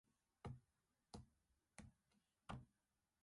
リオデジャネイロ州の州都はリオデジャネイロである